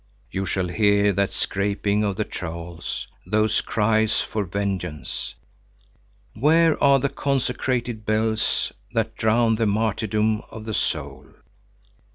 You shall hear that scraping of the trowels, those cries for vengeance. Where are the consecrated bells that drown the martyrdom of the soul?